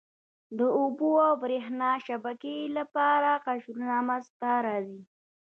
د اوبو او بریښنا شبکې لپاره قشرونه منځته راځي.